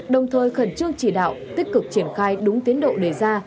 đồng thời khẩn trương chỉ đạo tích cực triển khai đúng tiến độ đề ra